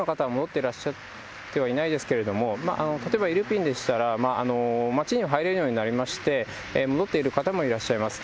てらっしゃってはいないですけど、例えば、イルピンでしたら、町に入れるようになりまして、戻っている方もいらっしゃいます。